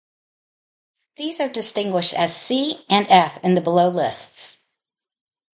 These are distinguished as "C" and "F" in the below lists.